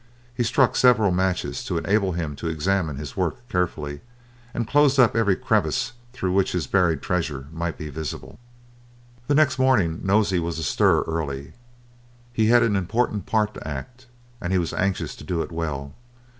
He struck several matches to enable him to examine his work carefully, and closed up every crevice through which his buried treasure might be visible. The next morning Nosey was astir early. He had an important part to act, and he was anxious to do it well.